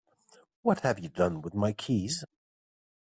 What have you done with my keys?